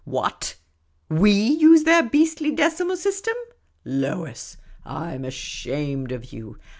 What, rev use their beastly decimal system ? Lois, I 'm ashamed of you.